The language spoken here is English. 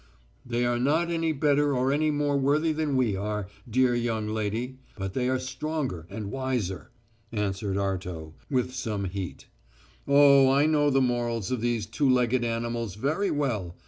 "They are not any better or any more worthy than we are, dear young lady, but they are stronger and wiser," answered Arto, with some heat. "Oh, I know the morals of these two legged animals very well....